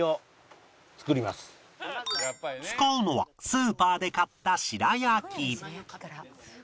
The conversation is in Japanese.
使うのはスーパーで買った白焼き